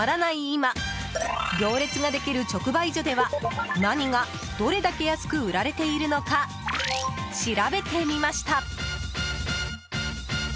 今行列ができる直売所では、何がどれだけ安く売られているのか調べてみました。